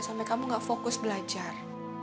sampai kamu gak fokus belajar